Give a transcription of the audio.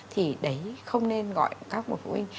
thì đấy không nên gọi các bậc phụ huynh